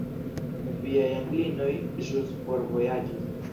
Viaj Anglinoj ĵus forvojaĝis.